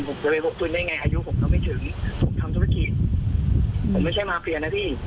ผมจะไปพกปืนได้ไงอายุผมก็ไม่ถึงผมทำธุรกิจผมไม่ใช่มาเฟียนะพี่